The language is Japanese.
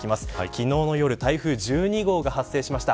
昨日の夜台風１２号が発生しました。